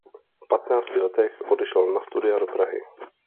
V patnácti letech odešel na studia do Prahy.